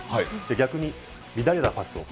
逆に乱れたパスを。